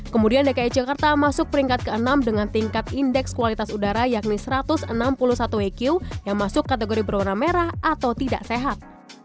kemudian dki jakarta masuk peringkat ke enam dengan tingkat indeks kualitas udara yakni satu ratus enam puluh satu eq yang masuk kategori berwarna merah atau tidak sehat